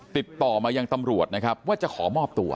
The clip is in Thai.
ติดต่อมายังตำรวจนะครับว่าจะขอมอบตัว